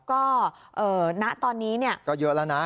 ก็ตอนนี้เนี่ยก็เยอะแล้วนะ